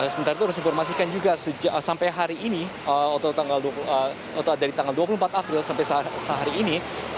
sementara itu harus informasikan juga sampai hari ini dari tanggal dua puluh empat april sampai sehari ini